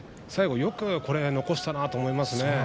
最後よく残したなと思いますね。